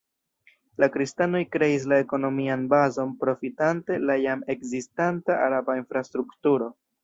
La kristanoj kreis la ekonomian bazon profitante la jam ekzistanta araba infrastrukturo.